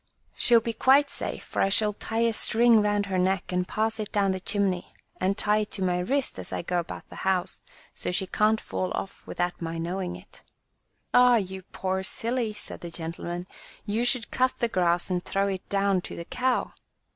She'll be quite safe, for I shall tie a string round her neck, and pass it down the chimney, and tie it to my wrist as I go about the house, so she can't fall off without my knowing it." "Oh, you poor silly!" said the gentleman, "you should cut the grass and throw it down to the cow!"